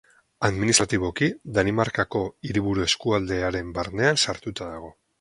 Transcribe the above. Administratiboki, Danimarkako Hiriburu Eskualdearen barnean sartuta dago.